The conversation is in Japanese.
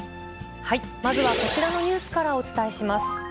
まずはこちらのニュースからお伝えします。